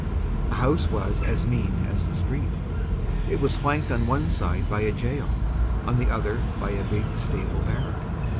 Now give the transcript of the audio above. The house was as mean as the street. It was flanked on one side by a jail, on the other by a big stable barrack.